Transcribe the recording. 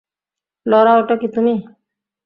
Laura, ওটা কি তুমি?